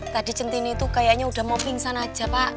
tadi centini itu kayaknya udah mau pingsan aja pak